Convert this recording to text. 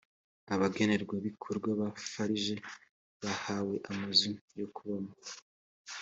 abagenerwabikorwa ba farg bahawe amazu yokubamo